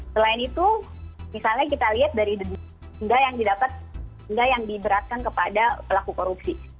selain itu misalnya kita lihat dari denda yang didapat denda yang diberatkan kepada pelaku korupsi